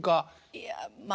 いやまあ。